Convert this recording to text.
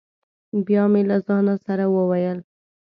بیا مې له ځانه سره وویل: